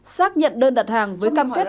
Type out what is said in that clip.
xác nhận đơn đặt hàng với cam kết